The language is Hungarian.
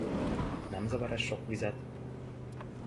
Nem zavar ez sok vizet!